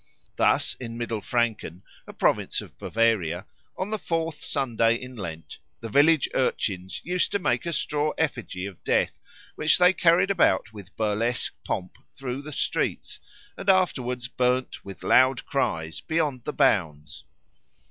Thus in Middle Franken, a province of Bavaria, on the fourth Sunday in Lent, the village urchins used to make a straw effigy of Death, which they carried about with burlesque pomp through the streets, and afterwards burned with loud cries beyond the bounds.